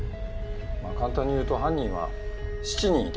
まあ簡単に言うと犯人は７人いたんだよ。